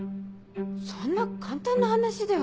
そんな簡単な話では。